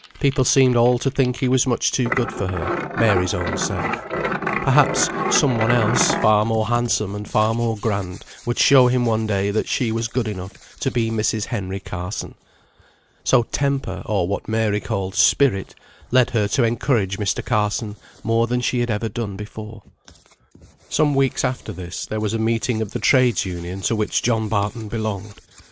People seemed all to think he was much too good for her (Mary's own self). Perhaps some one else, far more handsome, and far more grand, would show him one day that she was good enough to be Mrs. Henry Carson. So temper, or what Mary called "spirit," led her to encourage Mr. Carson more than ever she had done before. Some weeks after this, there was a meeting of the Trades' Union to which John Barton belonged.